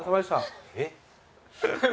えっ！？